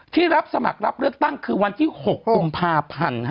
รับสมัครรับเลือกตั้งคือวันที่๖กุมภาพันธ์